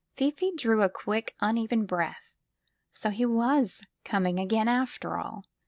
Fifi drew a quick, uneven breath. So he was coming again, after all